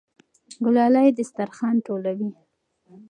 ګلالۍ دسترخوان ټولوي.